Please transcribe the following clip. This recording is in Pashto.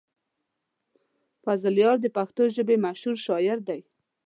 فضلیار د پښتو ژبې مشهور شاعر دی.